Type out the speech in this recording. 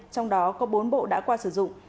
trong đó có bốn bộ đã qua sử dụng